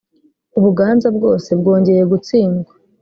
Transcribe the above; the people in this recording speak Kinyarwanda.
u buganza bwose bwongeye gutsindwa